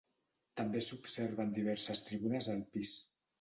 També s'observen diverses tribunes al pis.